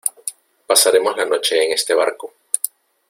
pasaremos la noche en este barco.